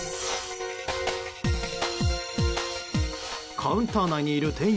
カウンター内にいる店員